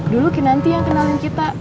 dulu kinanti yang kenalin kita